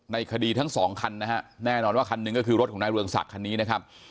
คดีทั้งสองคันนะฮะแน่นอนว่าคันหนึ่งก็คือรถของนายเรืองศักดิ์คันนี้นะครับ